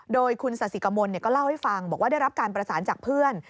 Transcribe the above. โดยคุณสาธิกมลก็เล่าให้ฟังบอกว่าได้รับการประสานจากเพื่อน